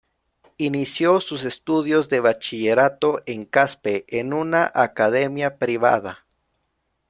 Inició sus estudios de bachillerato en Caspe, en una academia privada.